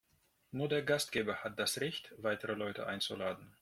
Nur der Gastgeber hat das Recht, weitere Leute einzuladen.